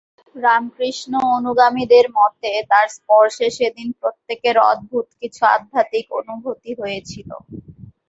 রামকৃষ্ণ-অনুগামীদের মতে, তাঁর স্পর্শে সেদিন প্রত্যেকের অদ্ভুত কিছু আধ্যাত্মিক অনুভূতি হয়েছিল।